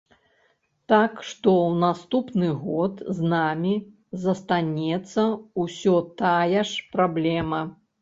Так што ў наступны год з намі застанецца ўсё тая ж праблема.